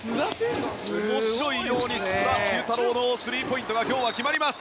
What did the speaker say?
須田侑太郎のスリーポイントが今日は決まります。